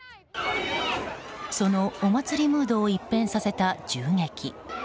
そのお祭りムードを一変させた銃撃。